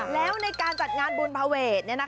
แล้วในการจัดงานบุญภเวท